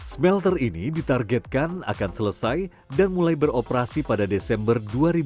smelter ini ditargetkan akan selesai dan mulai beroperasi pada desember dua ribu dua puluh